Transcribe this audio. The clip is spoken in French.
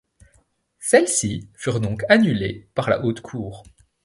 Celles-ci furent donc annulées par la Haute Cour.